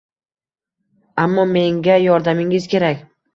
Ammo menga yordamingiz kerak